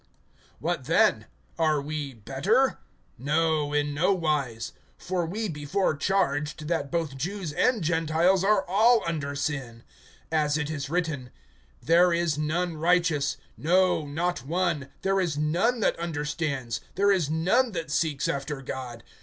(9)What then? Are we better? No, in no wise; for we before charged, that both Jews and Gentiles are all under sin. (10)As it is written: There is none righteous, no, no one; (11)there is none that understands, there is none that seeks after God.